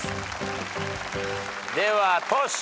ではトシ。